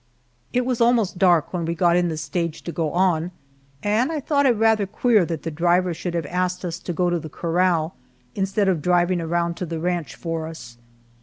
It was almost dark when we got in the stage to go on, and I thought it rather queer that the driver should have asked us to go to the corral, instead of his driving around to the ranch for us.